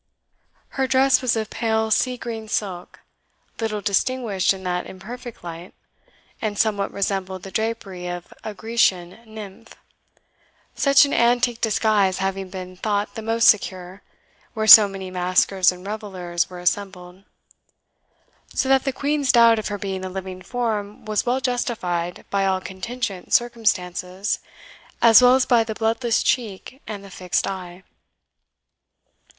Her dress was of pale sea green silk, little distinguished in that imperfect light, and somewhat resembled the drapery of a Grecian Nymph, such an antique disguise having been thought the most secure, where so many maskers and revellers were assembled; so that the Queen's doubt of her being a living form was well justified by all contingent circumstances, as well as by the bloodless cheek and the fixed eye.